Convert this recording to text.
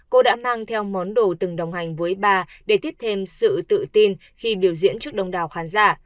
cô đã mang theo món đồ từng đồng hành với bà để tiếp thêm sự tự tin khi biểu diễn trước đông đảo khán giả